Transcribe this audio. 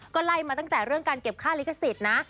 ก็ไล่มาตั้งแต่เรื่องการเก็บค่าลิขสิทธิ์นะ